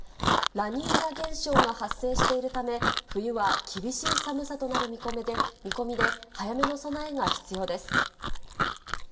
ラニーニャ現象が発生しているため、冬は厳しい寒さとなる見込みで、早めの備えが必要です。